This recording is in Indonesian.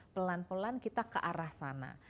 pelan pelan kita ke arah sana